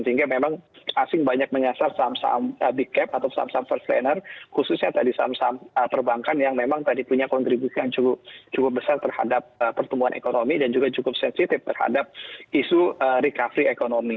sehingga memang asing banyak menyasar saham saham big cap atau saham saham first trainer khususnya tadi saham saham perbankan yang memang tadi punya kontribusi yang cukup besar terhadap pertumbuhan ekonomi dan juga cukup sensitif terhadap isu recovery ekonomi